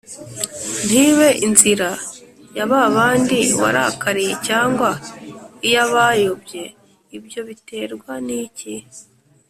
ntibe (inzira) ya ba bandi warakariye cyangwa iy’abayobye ibyo biterwa n’iki?